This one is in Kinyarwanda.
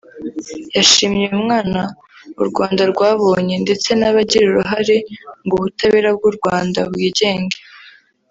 yashimye uyu mwanya u Rwanda rwabonye ndetse n’abagira uruhare ngo ubutabera bw’u Rwanda bwigenge